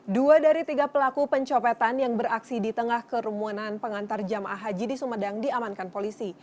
dua dari tiga pelaku pencopetan yang beraksi di tengah kerumunan pengantar jemaah haji di sumedang diamankan polisi